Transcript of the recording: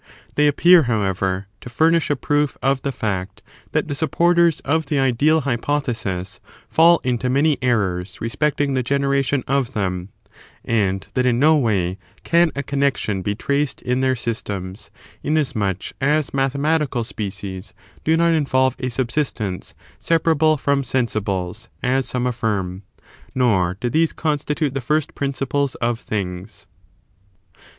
They appear, however, to furnish a proof of the fact that the supporters of the Ideal Hypothesis fall into many errors respecting the generation of them, and that in no way can a connexion be traced in their systems ; inasmuch as mathematical species do not involve a subsistence separable from sensibles, as some affirm ; nor do these constitute the first principles of things.